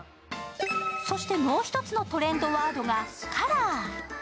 そしてもう一つのトレンドワードがカラー。